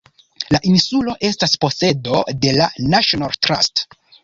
La insulo estas posedo de la National Trust.